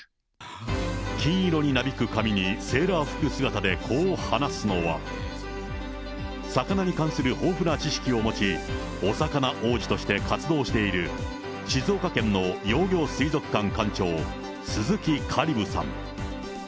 金色になびく髪にセーラー服姿でこう話すのは、魚に関する豊富な知識を持ち、お魚王子として活動している、静岡県の幼魚水族館館長、鈴木香里武さん。